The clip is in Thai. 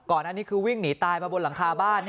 อันนี้คือวิ่งหนีตายมาบนหลังคาบ้าน